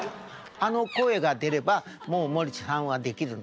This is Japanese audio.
あの声が出ればもう森進一さんはできるの。